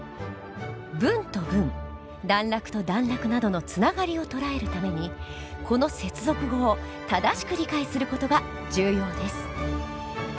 文と文段落と段落などのつながりを捉えるためにこの接続語を正しく理解する事が重要です。